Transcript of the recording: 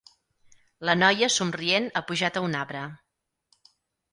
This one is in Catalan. La noia somrient ha pujat a un arbre.